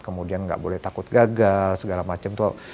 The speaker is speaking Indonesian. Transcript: kemudian gak boleh takut gagal segala macem